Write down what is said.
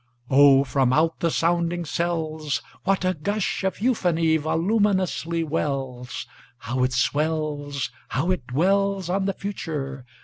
Oh, from out the sounding cells, What a gush of euphony voluminously wells! How it swells! How it dwellsOn the Future!